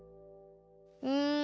うん！